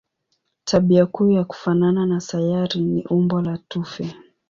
Tabia kuu ya kufanana na sayari ni umbo la tufe.